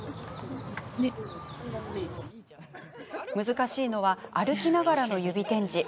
難しいのは歩きながらの指点字。